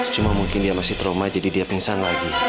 cuma mungkin dia masih trauma jadi dia pingsan lagi